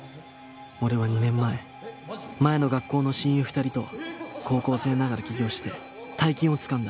俺は２年前前の学校の親友２人と高校生ながら起業して大金をつかんだ。